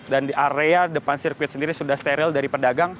dan di area depan sirkuit sendiri sudah steril dari pedagang